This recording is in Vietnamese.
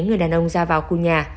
người đàn ông ra vào khu nhà